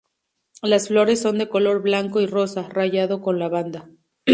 Las flores son de color blanco y rosa, rayado con lavanda.